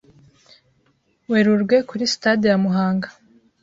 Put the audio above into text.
Werurwe kuri Sitade ya Muhanga